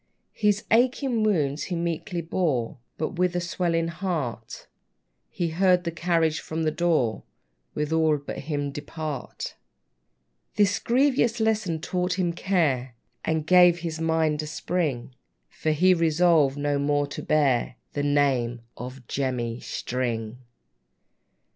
His aching wounds he meekly bore; But with a swelling heart He heard the carriage from the door, With all but him, depart. This grievous lesson taught him care, And gave his mind a spring; For he resolved no more to bear The name of JEMMY STRING!